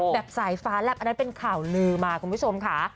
สายฟ้าแลบอันนั้นเป็นข่าวลือมาคุณผู้ชมค่ะ